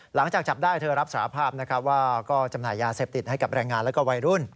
หลังจากจับได้เธอรับสารภาพนะครับว่าก็จำหน่ายยาเสพติดให้กับแรงงานและวัยรุ่น